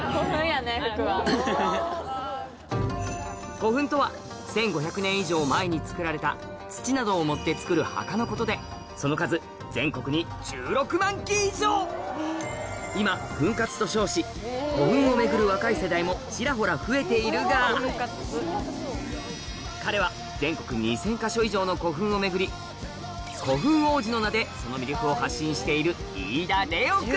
古墳とは１５００年以上前に作られた土などを盛って作る墓のことでその数今墳活と称し古墳を巡る若い世代もちらほら増えているが彼は全国２０００か所以上の古墳を巡り古墳王子の名でその魅力を発信している